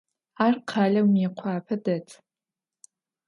Ar khaleu Mıêkhuape det.